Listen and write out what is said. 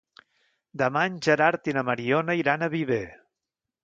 Demà en Gerard i na Mariona iran a Viver.